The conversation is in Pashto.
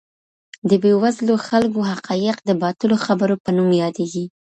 د بې وزلو خلګو حقایق د باطلو خبرو په نوم یادیږي.